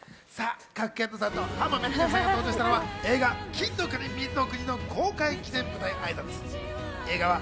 賀来賢人さんと浜辺美波さんが登場したのは映画『金の国水の国』の公開記念舞台挨拶。